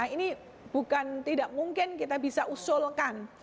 ini bukan tidak mungkin kita bisa usulkan